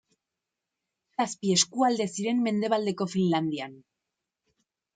Zazpi eskualde ziren Mendebaldeko Finlandian.